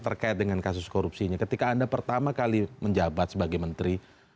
terkait dengan kasus korupsinya ketika anda pertama kali menjabat sebagai menteri